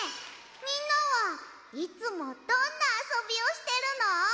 みんなはいつもどんなあそびをしてるの？